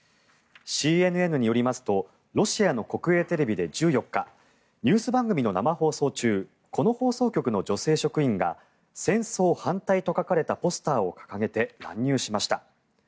ＣＮＮによりますとロシアの国営テレビで１４日ニュース番組の生放送中この放送局の女性職員が戦争反対と書かれたポスターを掲げて、乱入しました。